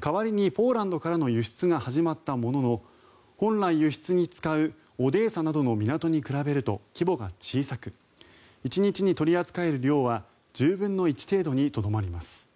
代わりにポーランドからの輸出が始まったものの本来、輸出に使うオデーサなどの港に比べると規模が小さく１日に取り扱える量は１０分の１程度にとどまります。